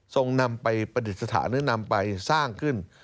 ส่งนำไปประเด็ดสถานที่นำไปสร้างขึ้น